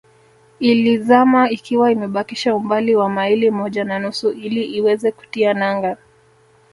Ilizama ikiwa imebakisha umbali wa maili moja na nusu ili iweze kutia nanga